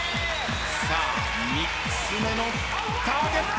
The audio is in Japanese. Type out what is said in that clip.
さあ４つ目のターゲット。